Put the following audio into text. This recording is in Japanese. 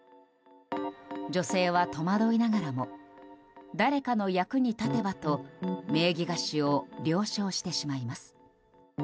女性は戸惑いながらも誰かの役に立てばと名義貸しを了承してしまいます。